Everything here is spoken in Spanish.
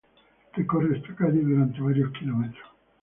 Recorre esta calle durante varios km.